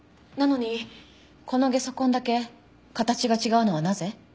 なのにこのゲソ痕だけ形が違うのはなぜ？